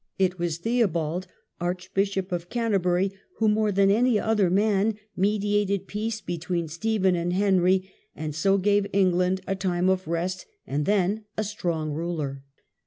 It was Theobald, Archbishop of Canterbury, who more than any other man mediated peace between Stephen and Henry, and so gave England a time of rest and then a strong ruler.